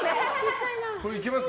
これ、いけます？